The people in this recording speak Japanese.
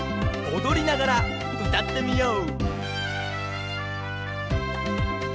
おどりながらうたってみよう！